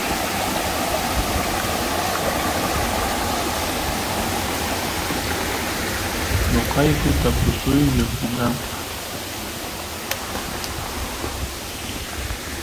noqayku tapusuysh lloksinapaq